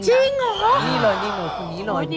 นี่เลยนี่หนูคุณนี้เลย